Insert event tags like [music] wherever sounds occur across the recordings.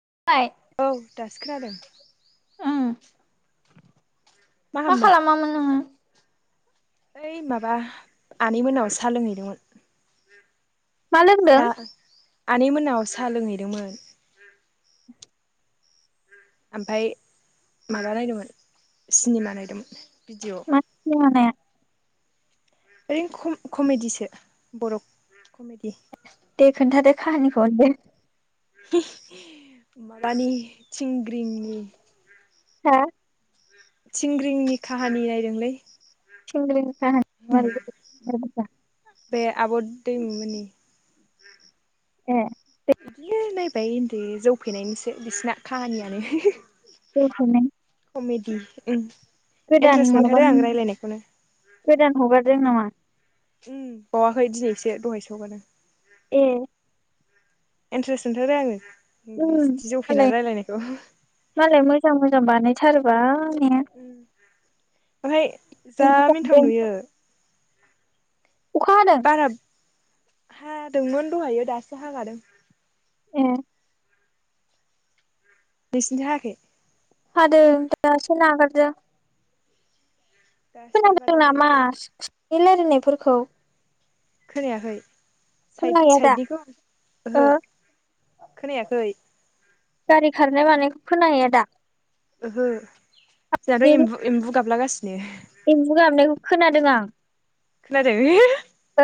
[inaudible] औ दासो खोनादों। उम मा खालामामोन नोङो? ओइ माबा आनै मोनायाव साहा लोंहैदोंमोन। मा लोंदों? सा आनै मोनायाव साहा लोंहैदोंमोन। ओमफ्राय माबा नायदोंमोन सिनेमा नायदोंमोन। भिडिअ मा सेनेमा नाया? ऐ कमेडिसो बर' कमेडि। दे खोनथादो खाहानिखौ आंनोबो? मानि सिंग्रिंनि। हा? थिंग्रिंनि काहानि नायदोंलै। थिंग्रिं खाहानिया मारैमोन खोनथादोब्रा। बे आब' दैमु मोननि। ए बिदिनो नाय बाय जौ फेनायनिसो बिसिना खाहानियानो। जौ फेनाय कमेडि ओम गोदान माबानि गोदान हगारदों नामा? उम बावाखै दिनैसो दहायसो हगारदों। ए इन्ट्रेस्ट मोनथारो आङो। उम बिदि जौफेना मालाय रायलायनायखौ मालाय मोजां मोजां बानाय थारबाय। ओम ओमफ्राय जा एम्फौ जादों मिन्थाव नुयो। अखा हादों बाराब हादोंमोन दहायो दासो हागादों। ए नोंसोरनिथिं हायाखै हादों‌ दासो नागारदो। दासो खोनादों नागारदों नामा ओरैनो रायनायफोरखौ खोनायाखै साइद खोनाहैया दा साइडनिखौ ओ ओहो खोनायाखै। गारि खारनाय मानायखौ खोनाहैयो दा ओहो। जानोेएमबु गाबलागासिनो एम्बु गाबनायखौ खोनादों आं। खोनादों ओ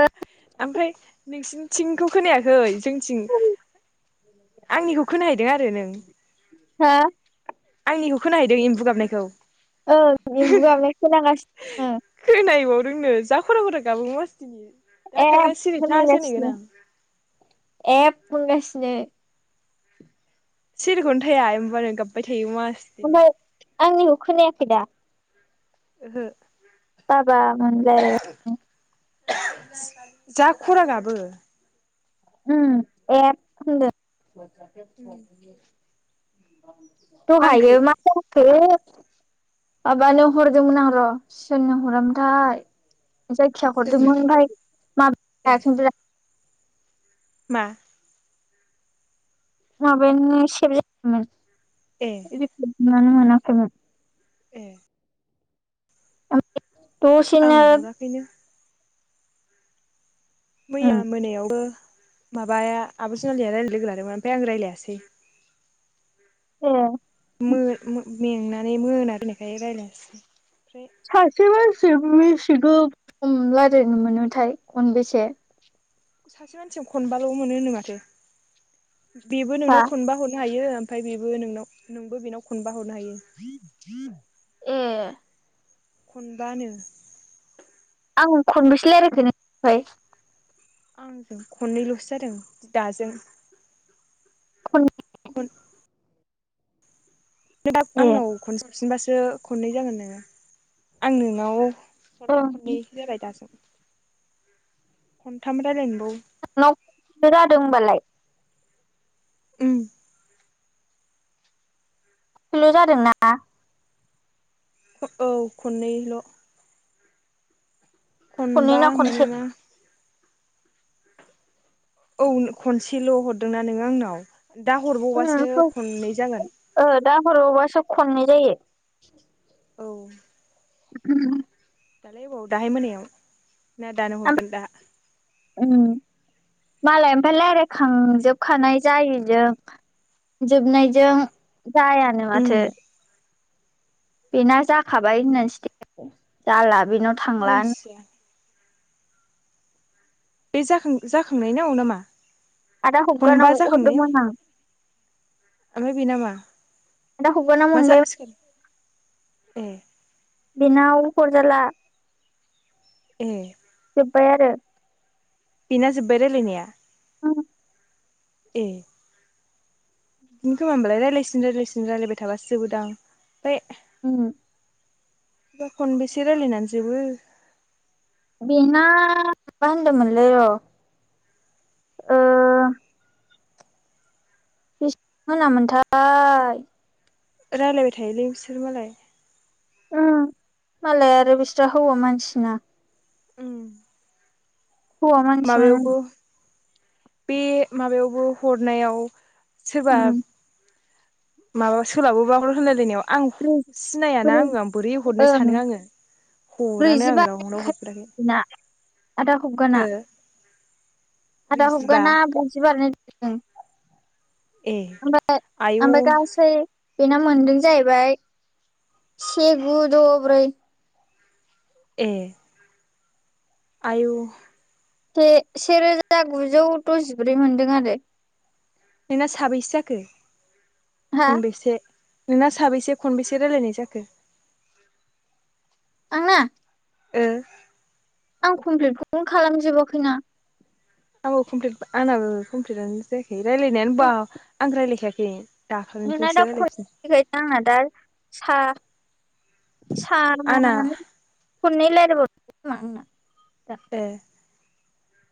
ओमफ्राय नोंसिनिथिंखौ खोनायाखै जों आंनिखौ खोनाय दो आरो नों हा आंनिखौ खोनाहैदों एम्फु गाबनायखौ ओ एम्बु गाबनाय खोनागासिनो रोंनो जा खर खर गाबो मासथिनि दा थांना एब‌ सिरि थासो होनहैगोन होनगासिनो आं एब होनगासिनो। नो सिरिखौनो थाया एमबुआनो गाबबाय थायो। यो मासथाइ ओमफ्राय आंनिखौ खोनायाखै दा ओहो बाबामोन राइलाय गासिनो जा खरागाबो एबहोनदों [inaudible] [unintelligible] दहायो मा [unintelligible] माबानो हरदोंमोन आं र' सोरनो हरामोनथाय! जायखिया सोरनो हरदोंमोन ओमफाय ए माबा मा? माबायानो सेब ए जायाखैमोन [unintelligible] मोनाखैमोन। ए दसेनो आं हराखैनो। उम मैया मोनायावबो माबाया आब' जुनालिया रायलाय लोगो लादोंमोन ओमफाय आं रायलायासै। ए मो-मो-मेंनानै मोना मोनाबोनायखाय रायलायासै। सासे मान सिजों बेसे गोगोम रायलायनो मोनोथाय, खनबेसे? सासे मानसियाव खनबाल' मोनोनो माथो। बेबो हा नोंनाव खनबा हरनो हायो ओमफाय बेबो नोंनाव नोंबो बेनाव खन [inaudible] ए खनबानो। खन-खनबेसे रायलायखो नों ओमफाय? आं खननैल'सो जादों दाजों। खनै खन नों दाबो ए आंनाव खनसे हरफिनबासो खननै जागोन नोङो, आं नोंनाव हरनाया ओं खननै जाबाय दाजों। खन्थाम रायलायनो नोंनाव जादों होनबालाय। उम खननैल' जादोंना? औ खननैल खननै खनबा ना खनसे नङा। औ खनसेल' हरदोंना नोङो आंनाव? दा हरबावबासो ओ खननै जागोन। दा हरावबासो खननै जायो। औ। [unintelligible] दालाय अबाव? दाहाय मोनायाव। ना दानो हरगोन दा? उम, मालाय ओमफ्राय रायलायखांजोबखानाय जायैजों जोबनायजों। जाया नो‌ उम माथो। बिना जाख खाबाय होननानैसो स्थेथास जाला बेनाव थांला होन मोनथिया बे जाखां-जाखांनायनाव ना मा? आदा खनबा हबगानाव जाखांनायाव? हरदोंमोन आं ओमफ्राय बे ना मा? आदा हबगानाव मोनबाय [unintelligible] जासिगोन ए। बिनाव हरजाला। ए। बाय आरो। बिना जोब्बाय रायलायनाया‌? उम। ए। बिदिनो खोमा होमबालाय रायज्लायसिन रायज्लायसिन रायलायबाय थाबासो जोबोदां? ओमफाय उम। बेबा खन बेसे रायलायनानै जोबो? बेना माबा होनदोंमोनलै र ओह। बेसिबां होनामोनथाय? रालायबाय थायोलै बिसो सोर मालाय उम मालाय आरो बिस्रा हौवा मानसिना। उम। हौवा मानसियानो। माबायावबो बे माबायावबो हरनायाव। उम सोरबाब माबा सोलाबोबा हर होनलायनायाव। आं ब्रैजि सिनायाना ब्रै आङो आं बोरै हरनो सानो ओं आङो हरानो आं ब्रैजिबा रावनाव हरफेराखै। ना आदा हबगाना हो? आदा ब्रैजिबा हबगाना ब्रैजि बारनाय द ओं। ए ओमफ्राय आयौ ओमफ्राय गासै। बेना मोनदों जाहैबाय से गु द ब्रै। ए। आयौ से सेरोजा गुजौ दजिब्रै मोनदों आरो। नोंना साबैसे जाखो हा खनबैसे नोंना साबैसे खनबेसे रायलायनाय जाखो आंना ओ आं कमप्लिटखौनो खालामजोबाखैना आंबो कमप्लिट आंनाबो कमप्लिटआनो जाया रायलायनायानो बा आं रायलायखायाखै ए नोंना दा [unintelligible] दा सा आंना [unintelligible] खन्नै रायलायबावदोंमोन खोमा आंना दा ए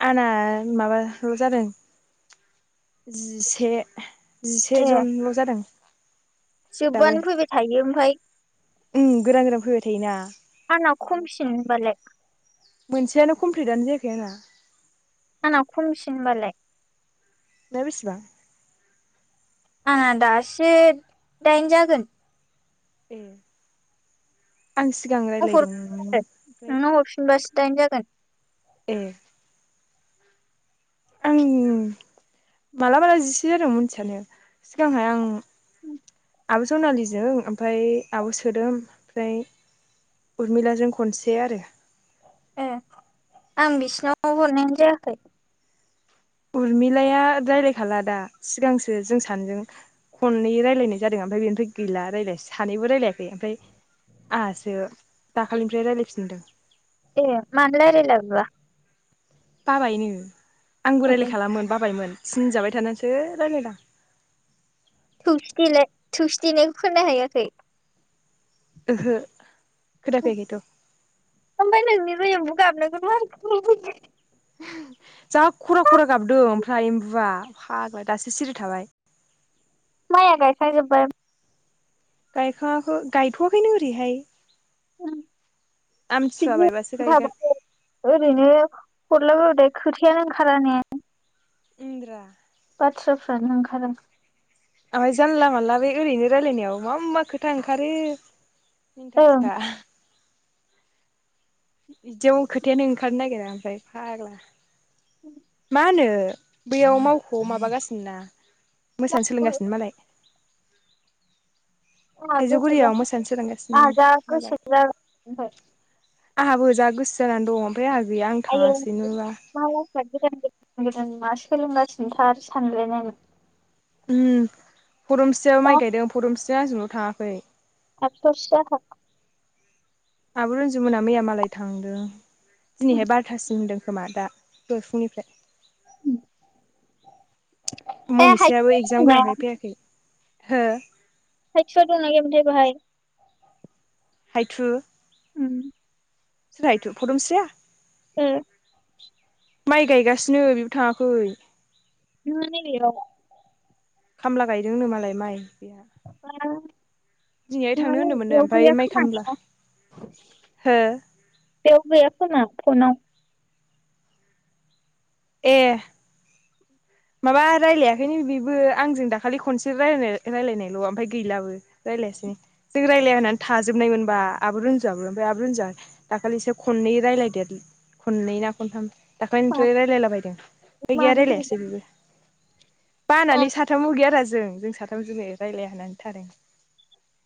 आंना माबाल जादों जिसे जिसे ए जनल जादों जोबबानो फैबायथायो ओमफाय ओम गोदान गोदान फैबाय थायोना आंना जोबबानो खमसिन ओमबालाय मोनसेयानो कमप्लिटआनो जायाखै आंना आंना खमसिन ओमबालाय नोंना बेसिबां आंना दासो दाइन जागोन ए आं सिगां हर रायलायदोंमोन मोन ओमफ्राय नोंनो हरफिनबासो दाइन जागोन ए आं मालामाला जिसे जादों मिथियानो सिगांहाय आं आब जनालिजों ओमफ्राय आब सोदोम ओमफ्राय उरमिलाजों खनसे आरो ए आं बिसिनाव हरनायानो जायाखै उरमिलाया रायलायखाला दा सिगांसो जों सानैजों खननै रायलायनाय जादों ओमफ्राय बेनिफ्राय गैला रायलाय सानैबो रायलायाखै ओमफ्राय आंहासो दाखालिनिफ्राय रायलायफिनदों ए मानो रायलायला बेबा बाबायनो आंबो रायलायखालामोन बाबायमोन थिन जाबाय थानासो रायलायदां [unintelligible] थुबसि देनायखौ खोना हैयाखै ओहो खोनाफैयाखैथ' ओमफाय नोंनि बै एम्बौ गाबनायखौनो मा बायदि खोना फैदों जा खरा खरा गाबदो ओमफ्राय एम्बुआ फाग्ला दासो सिरि थाबाय माइया गायखाय जोबबाय गायखाङाखो गायथवाखैनो ओरैहाय उम [inaudible] आमथिसुवा बायबासो गायगोन हरलाबो ओ नां खोथिया नां खारने इन्द्रा थ्राफ्रानो ओंखारा ओइ जानला मानला बे ओरैनो रायलायनायाव मा मा खोथा ओंखारो ओं मिनिथावसोखा बिदियाव खोथायानो ओंखारनो नागिरा ओमफ्राय फाग्ला [inaudible] मा नो बैयाव मावखौ माबागासिनो ना मोसानो सोलोंगासिनो मालाय थाइजौगुरियाव मोसानो सोलोंगासिनो [inaudible] मालाय ओमफाय आंहाबो जा गोसो जानानै दं। ओमफ्राय आंहा गैया आं आयो [unintelligible] थाङासैनोबा सोलोंगासिनोथार सानदों आरो उम फुरुमसियाव माइ गायदों फुरुमसि जों आाजोंल थाङाखै खाथियावसो जाखागोन आब रन्जुमोना मैया मालाय थांदों। दिनैहाय बारथासिम होनदों। खोमा दा दोहैफुंनिफ्राय ए मनिसायाबो हायथुआ एगजाम दंना गोनांखाय फैयाखै हो होयस दं ना गैया मोन थाय बहाय हायथु ओ सोरहायथु फदुमस्रिया उम माइ गायगासिनो बेबो थाङाखै [unintelligible] खामला गायदोंनो मालाय माइ बेहा [inaudible] दिनैहाय [unintelligible] थांनो होनदोंमोननो बेयाव ओमफ्राय माइ खामला हो गैया खोमा फनाव ए माबा रायलायाखैनो बिबो आंजों दाखालि खनसे रायलाय-रायलायनायल ओमफ्राय गैलाबो रायज्लायासै जों रायज्लाया होननानै थाजोबनायमोनबा आबो रुजुआबो ओमफ्राय आबो रुजुआ दाखालिसो खनै रायज्लायदेर खननै ना खनथाम मानो दाख्लैनिफ्राय रायलायला बायदों ओमफाय गैया मानो बेबा रायलायासै बेबो मानो बानानै साथाम मु गैया रा जि जों जों साथाम जोनि रायलाया होननानै थादों।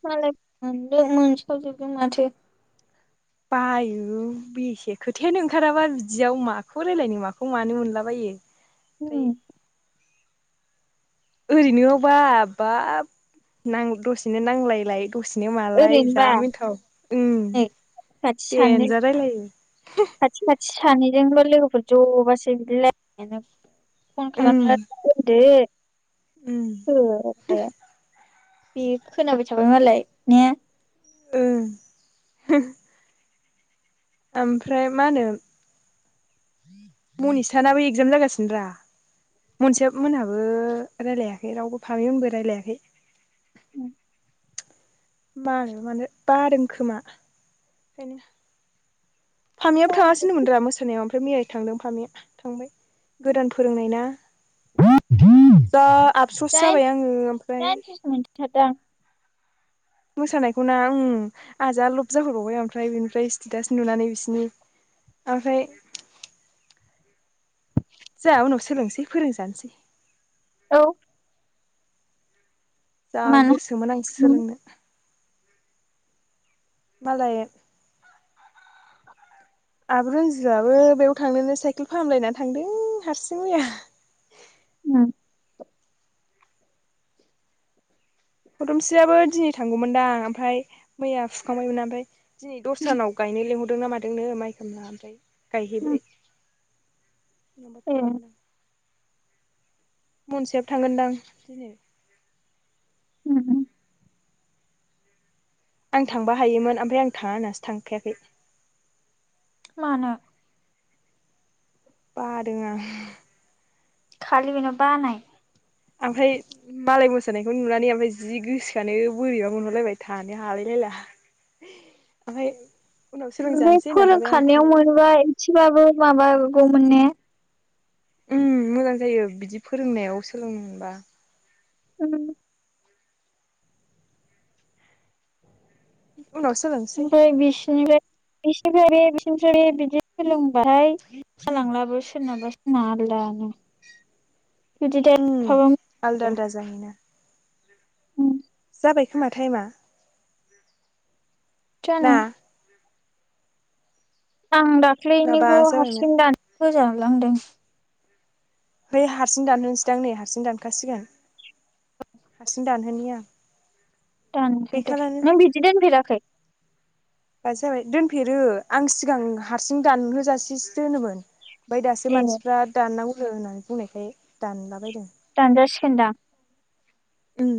मालाय मोनदों मोनसावजुबदों माथो। बायो बेसे खोथायानो ओंखाराबा बिदियाव माखौ रायलायनो माखौ मानो मोनलाबायो। ओमफ्राय उम ओरैनोआवबा बाब नां दसेनो नांलायलाय दसेनो मालाय ओरैनोबा जा मिनथाव उम नै खाथि सानै देनजार रायलायो। खाथि खाथि सानैजोंनो लोगोफोर जबासो बिदि राय फन उम खालामनाया लायदो उम होदो। बे खोनाबाय थाबाय मालाय ने। ओ हो। ओमफ्राय मा होनो मनिसानाबो इगजाम जागासिनो दा मनिसा मोनहाबो रायलायाखै रावबो फामेमोनबो रायलायाखै मालायबा मानो बादों खोमा ओखायनो फामियाबो दाइन थाङासिनोमोनदा मोसानायाव ओमफाय मैयानो थांदों फामिया थांबाय गोदान फोरोंनाय ना जा आपसस जाबाय आङो ओमफ्राय दाइनथासो मोनथारदां मोसानायखौ ना ओम आहा जा लब जाहरबावबाय ओमफ्राय बिनिफ्राय स्टेटास नुनानै बिसिनि ओमफ्राय जाहा उनाव सोलोंसै फोरोंजानोसै औ जा मानो गोसोमोन आं सोलोंनो मालाय आब' रनजुआबो बेयाव थांनोनो साइकेल फाहामलायना थांदों हारसिं मैया [unintelligible] फदमस्रियाबो दिनै थांगौमोनदां आमफ्राय मैया फुखांबायमोन आमफ्राय दिनै दस्रानाव गायनो लिंहरदोंना मादोंनो माइ खामला ओमफ्राय गायहैबाय नोंबा ए थांगौमोन आं ‌ मनिसायाबो थांगोनदां दिनै आं थांबा हायोमोन आमफाय आं थाङा होननासो थांफायाखै मानो? बादों आं। खालि बेनाव बानाय। ओमफ्राय मालाय मोसानायखौ नुनानै ओमफाय जि गोसोखानो बोरैबा मोनहरलायबाय थानो हालायलायला ओमफाय ओमफाय फोरोंखानायाव मोनोबा इसेबाबो माबागौमोन ने। ओम मोजां जायो बिदि फोरोंनायाव सोलोंनो मोनबा। उम उनाव सोलोंसै ओमफाय बिसिनिफाय बिसिनिफ्राय बे बिसिनिफ्राय बे बिदि सोलोंबाय जालांलाबो सोरनाबा सोरना आलदानो बिदि दे उम आलदा आलदा जाहैयोना। उम जाबाय खोमा टाइमा। ना जानो। आं माबा दाख्लैनिखौ जाबायमोन हारसिं दान फोजाबलांदों। है हारसिं दानहोनोसैदांं नै हारसिं दानखासिगोन। हारसिनो दान होनिया दानहरदो नों बिदि दोन फेराखै? बा जाबाय दोनफेरो आं सिगां हारसिं दानहोजासेसो दोनोमोन। ओमफाय दासो ए मानसिफ्रा दाननांगौ नो होननानै बुंनायखाय दानलाबायदों। दानजा सिगोन‌ दां। उम।